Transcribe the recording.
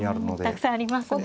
たくさんありますね。